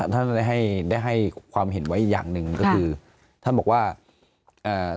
ท่านได้ให้ได้ให้ความเห็นไว้อย่างหนึ่งก็คือท่านบอกว่าอ่า